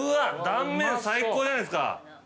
断面最高じゃないですか。